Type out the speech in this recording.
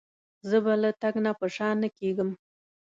زه به له تګ نه په شا نه کېږم.